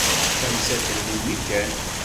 D tamsalt n melmi kan.